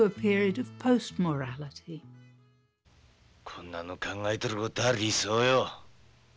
こんなの考えてることは理想よ。